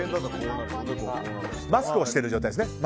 マスクをしてる状態ですね。